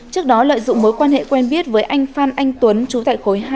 trước đó lợi dụng mối quan hệ quen biết với anh phan anh tuấn chú tại khối hai